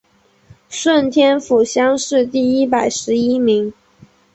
顺天府乡试第一百十一名。